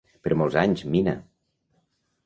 Per molts anys, Mina!